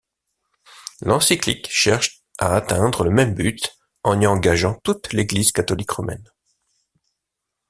L’encyclique cherche à atteindre le même but, en y engageant toute l’Église catholique romaine.